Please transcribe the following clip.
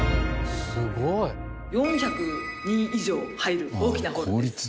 すごい！４００人以上入る大きなホールです。